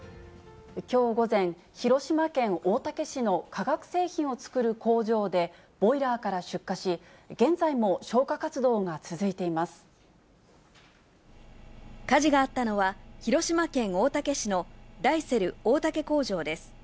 きょう午前、広島県大竹市の化学製品を作る工場で、ボイラーから出火し、火事があったのは、広島県大竹市のダイセル大竹工場です。